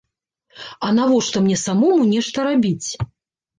А навошта мне самому нешта рабіць?